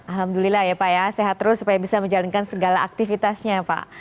alhamdulillah ya pak ya sehat terus supaya bisa menjalankan segala aktivitasnya pak